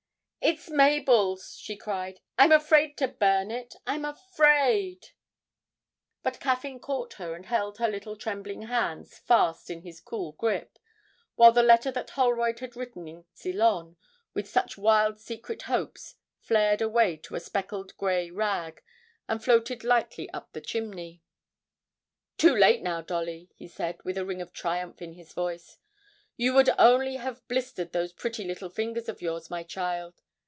'It's Mabel's,' she cried; 'I'm afraid to burn it I'm afraid!' But Caffyn caught her, and held her little trembling hands fast in his cool grasp, while the letter that Holroyd had written in Ceylon with such wild secret hopes flared away to a speckled grey rag, and floated lightly up the chimney. 'Too late now, Dolly!' he said, with a ring of triumph in his voice. 'You would only have blistered those pretty little fingers of yours, my child.